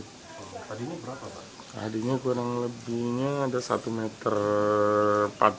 tapi dibilangnya di depok satu ratus tujuh puluh